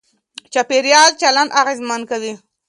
چاپېريال چلند اغېزمن کوي.